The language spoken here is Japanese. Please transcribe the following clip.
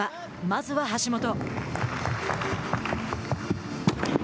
まずは橋本。